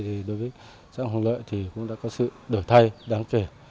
thì đối với xã hùng lợi cũng đã có sự đổi thay đáng kể